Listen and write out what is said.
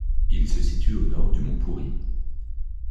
Il se situe au nord du mont Pourri.